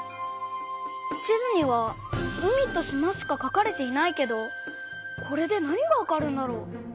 地図には海と島しかかかれていないけどこれで何がわかるんだろう？